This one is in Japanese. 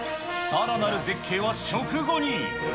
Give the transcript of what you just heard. さらなる絶景は食後に。